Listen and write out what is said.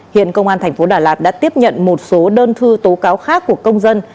hiện công an tp đà lạt đã tiếp nhận một số đơn thư tố cáo khác của công dân